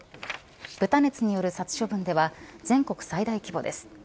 豚熱による殺処分では全国最大規模です。